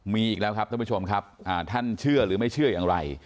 มีอีกแล้วครับท่านผู้ชมครับท่านเชื่อหรือไม่เชื่ออย่างไร